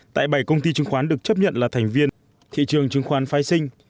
tại bảy công ty chứng khoán được chấp nhận là thành viên thị trường chứng khoán phái sinh